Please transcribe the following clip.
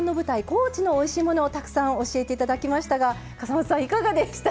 高知のおいしいものをたくさん教えていただきましたが笠松さんいかがでした？